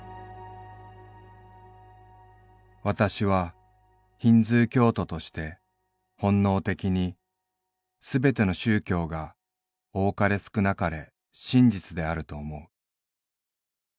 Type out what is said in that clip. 私はヒンズー教徒として本能的にすべての宗教が多かれ少なかれ真実であると思う。